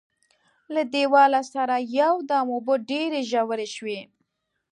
له دیواله سره یو دم اوبه ډېرې ژورې شوې.